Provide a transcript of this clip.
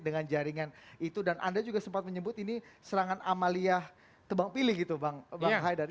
dengan jaringan itu dan anda juga sempat menyebut ini serangan amalia tebang pilih gitu bang haidar